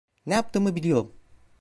Ne yaptığımı biliyorum.